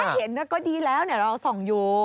ถ้าเห็นก็ดีแล้วเนี่ยเราส่องอยู่